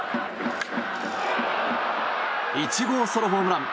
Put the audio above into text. １号ソロホームラン。